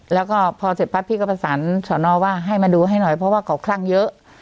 แล้วก็พอเสร็จปั๊บพี่ก็ประสานสอนอว่าให้มาดูให้หน่อยเพราะว่าเขาคลั่งเยอะ